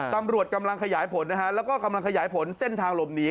ตำรวจกำลังขยายผลนะฮะแล้วก็กำลังขยายผลเส้นทางหลบหนี